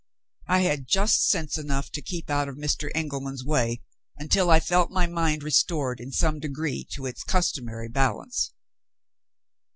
I had just sense enough to keep out of Mr. Engelman's way until I felt my mind restored in some degree to its customary balance.